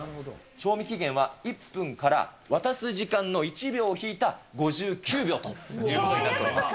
賞味期限は１分から渡す時間の１秒を引いた５９秒ということになっております。